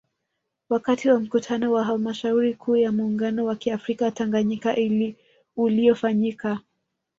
Wakati wa Mkutano wa Halmashauri Kuu ya muungano wa kiafrika Tanganyika uliofanyika